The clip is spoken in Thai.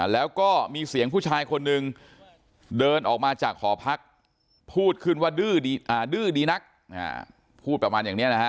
แล้วก็มีเสียงผู้ชายคนนึงเดินออกมาจากหอพักพูดขึ้นว่าดื้อดีนักพูดประมาณอย่างนี้นะฮะ